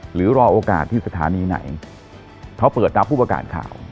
หรือรอโอกาสที่สถานีไหนเขาเปิดรับผู้ประกาศข่าว